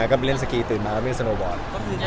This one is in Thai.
กลับไปเล่นสกีตื่นตาก็เล่นสะโนบอล